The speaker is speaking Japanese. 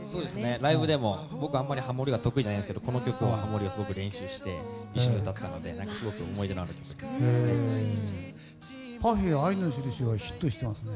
ライブでも僕は、あんまりハモりが得意じゃないんですけどこの曲、ハモりを練習して一緒に歌ったのですごく思い出がありますね。